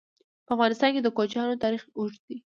په افغانستان کې د کوچیانو تاریخ ډېر اوږد دی.